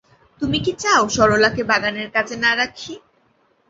তুমি কি চাও সরলাকে বাগানের কাজে না রাখি।